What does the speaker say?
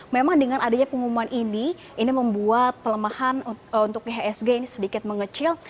memang dengan adanya pengumuman ini ini membuat pelemahan untuk ihsg ini sedikit mengecil